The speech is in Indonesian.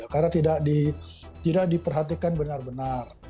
karena tidak diperhatikan benar benar